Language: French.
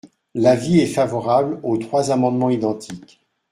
L’avis est favorable aux trois amendements identiques.